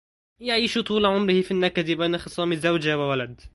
يعيش طول عمره في النَكَدِ بين خصام زوجة وولد